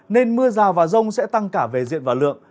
nên mưa rào và rông sẽ tăng cả về diện và lượng